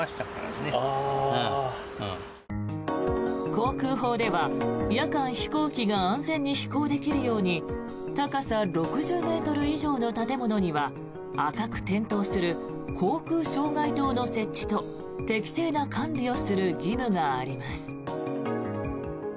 航空法では夜間飛行機が安全に飛行できるように高さ６０ｍ以上の建物には赤く点灯する航空障害灯の設置と適正な管理をする義務があります。